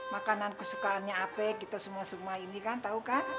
makanan kesukaannya ape kita semua semua ini kan tahu kan